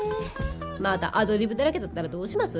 またアドリブだらけだったらどうします？